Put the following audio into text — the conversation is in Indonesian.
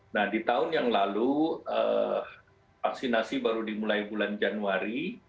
nah di tahun yang lalu vaksinasi baru dimulai bulan januari